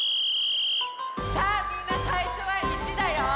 さあみんなさいしょは１だよ！